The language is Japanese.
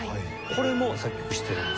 これも作曲してるんですね。